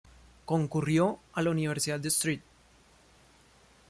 Concurrió a la Universidad de St.